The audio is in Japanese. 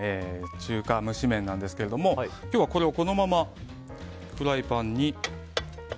中華蒸し麺ですが今日はこれをこのままフライパンに。